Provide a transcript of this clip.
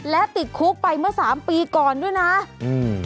และติดคุกไปเมื่อสามปีก่อนด้วยนะอืม